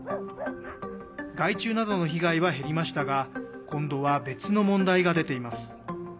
害虫などの被害は減りましたが今度は別の問題が出ています。